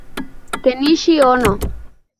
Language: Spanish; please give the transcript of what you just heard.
Kenichi Ono